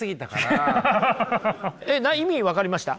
意味分かりました？